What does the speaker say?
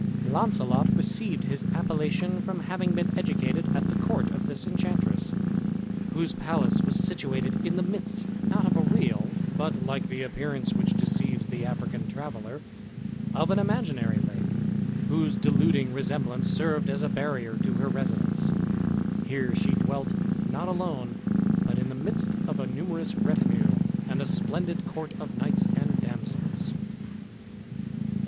Launcelot received his appellation from having been educated at the court of this enchantress, whose palace was situated in the midst, not of a real, but, like the appearance which deceives the African traveller, of an imaginary lake, whose deluding resemblance served as a barrier to her residence. Here she dwelt not alone, but in the midst of a numerous retinue, and a splendid court of knights and damsels.